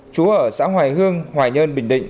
chú ở xã hoài hương hoài nhơn bình định